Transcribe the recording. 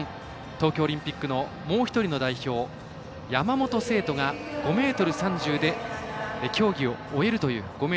東京オリンピックのもう１人の代表、山本聖途が５ｍ３０で競技を終えるという。